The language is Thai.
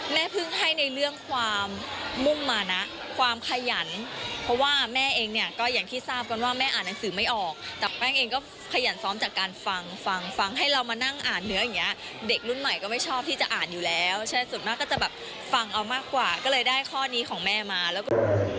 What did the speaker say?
แม่เพิ่งให้ในเรื่องความมุ่งมานะความขยันเพราะว่าแม่เองเนี่ยก็อย่างที่ทราบกันว่าแม่อ่านหนังสือไม่ออกแต่แป้งเองก็ขยันซ้อมจากการฟังฟังฟังให้เรามานั่งอ่านเนื้ออย่างเงี้เด็กรุ่นใหม่ก็ไม่ชอบที่จะอ่านอยู่แล้วใช่ส่วนมากก็จะแบบฟังเอามากกว่าก็เลยได้ข้อนี้ของแม่มาแล้วก็